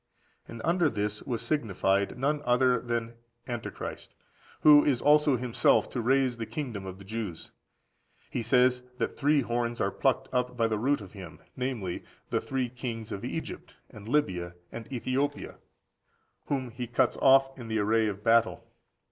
And under this was signified none other than Antichrist, who is also himself to raise the kingdom of the Jews. He says that three horns are plucked up by the root by him, viz., the three kings of Egypt, and Libya, and Ethiopia, whom he cuts off in the array of battle.